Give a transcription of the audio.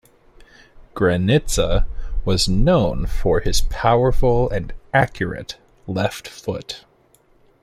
Granitza was known for his powerful and accurate left foot.